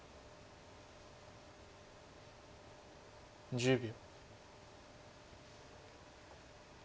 １０秒。